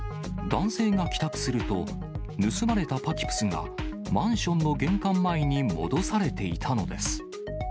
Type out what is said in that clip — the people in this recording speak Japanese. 男性が帰宅すると、盗まれたパキプスが、マンションの玄関前に戻されていたのです。